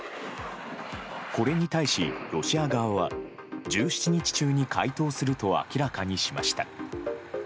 これに対し、ロシア側は１７日中に回答すると明らかにしました。